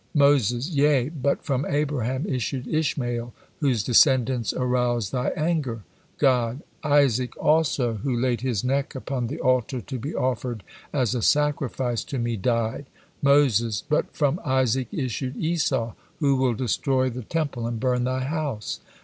Moses: "Yea, but from Abraham issued Ishmael, whose descendants arouse thy anger." God: "Isaac, also, who laid his neck upon the altar to be offered as a sacrifice to Me, died." Moses: "But from Isaac issued Esau who will destroy the Temple and burn Thy house."